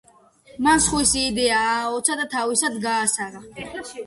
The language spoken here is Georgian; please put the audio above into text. მან სხვისი იდეა ააცოცა და თავისად გაასაღა.